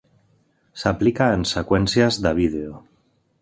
S’aplica en seqüències de vídeo.